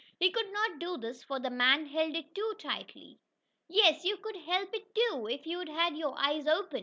He could not do this, for the man held it too tightly. "Yes, you could help it too, if you'd had your eyes open!"